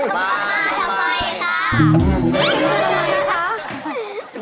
มาทำไมค่ะ